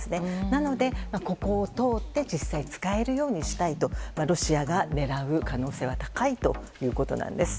なので、ここを通って実際に使えるようにしたいとロシアが狙う可能性が高いということです。